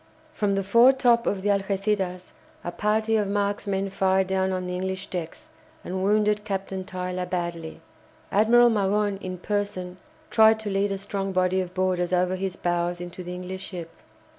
From the foretop of the "Algéciras" a party of marksmen fired down on the English decks and wounded Captain Tyler badly. Admiral Magon, in person, tried to lead a strong body of boarders over his bows into the English ship.